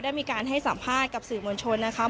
มีการให้สัมภาษณ์กับสื่อมวลชนนะคะ